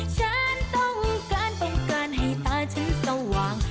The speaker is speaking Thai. ฉันต้องการป้องกันให้ตาฉันสว่าง